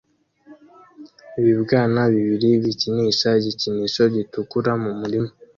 Ibibwana bibiri bikinisha igikinisho gitukura mu murima